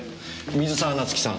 水沢夏樹さん